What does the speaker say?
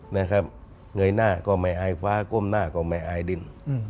เงยหน้าก็ไม่อายฟ้าก้มหน้าก็ไม่อายดิน